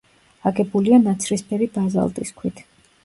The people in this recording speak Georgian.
აგებულია ნაცრისფერი ბაზალტის ქვით.